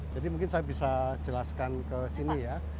jadi mungkin saya bisa jelaskan ke sini ya